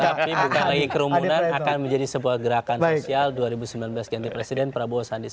tapi bukan lagi kerumunan akan menjadi sebuah gerakan sosial dua ribu sembilan belas ganti presiden prabowo sandi